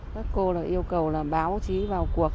các cô yêu cầu là báo chí vào cuộc